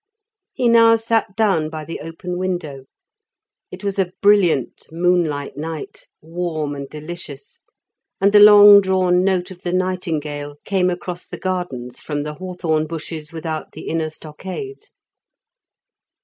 He now sat down by the open window; it was a brilliant moonlight night, warm and delicious, and the long drawn note of the nightingale came across the gardens from the hawthorn bushes without the inner stockade.